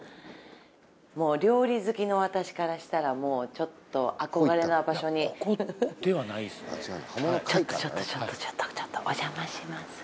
もう料理好きの私からしたらもうちょっと憧れな場所にちょっとちょっとちょっとお邪魔します